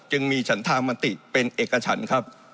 จึงมีฉันธามติเป็นเอกฉันครับ